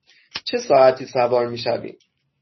چه ساعتی سوار می شویم؟